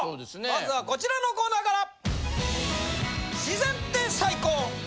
まずはこちらのコーナーから！